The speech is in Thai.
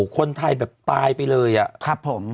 คนไทยแบบตายไปเลยอะครับผม